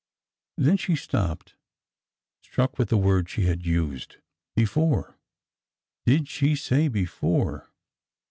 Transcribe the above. Then she stopped, struck with the word she had used. Before? did she say before?